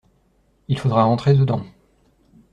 Il faudra rentrer dedans.